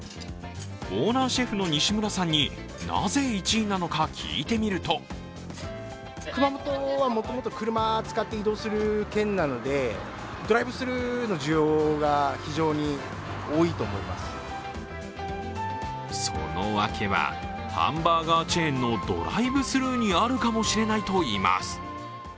オーナーシェフの西村さんに、なぜ１位なのか聞いてみるとそのワケは、ハンバーガーチェーンのドライブスルーにあるかもしれないといいます。